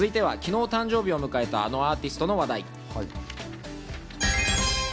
続いては昨日、誕生日を迎えたあのアーティストの話題。